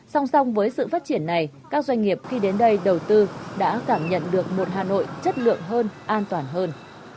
song song với sự phát triển này các doanh nghiệp khi đến đây đầu tư đã cảm nhận được một hà nội chất lượng hơn an toàn hơn